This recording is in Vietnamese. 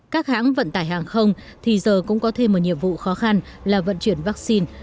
các hãng vận tải hàng không thì giờ cũng có thêm một nhiệm vụ khó khăn là vận chuyển vaccine